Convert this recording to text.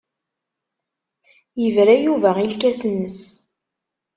Yebra Yuba i lkas-nnes.